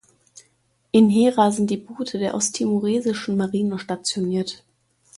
In Hera sind die Boote der osttimoresischen Marine stationiert.